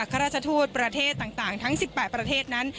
ข้าราชทูตประเทศต่างทั้ง๑๘ประเทศนั้น